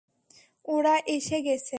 ওরা এসে গেছে!